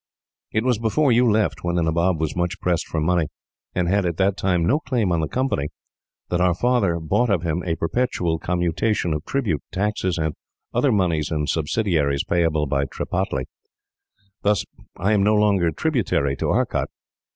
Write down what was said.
"It was before you left, when the Nabob was much pressed for money, and had at that time no claim on the Company, that our father bought of him a perpetual commutation of tribute, taxes, and other monies and subsidies payable by Tripataly; thus I am no longer tributary to Arcot.